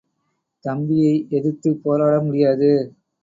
தம்பியை எதிர்த்துப் போராட முடியாது.